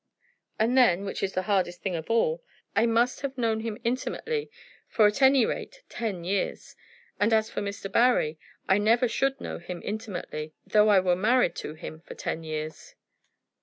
And then, which is the hardest thing of all, I must have known him intimately for at any rate, ten years. As for Mr. Barry, I never should know him intimately, though I were married to him for ten years."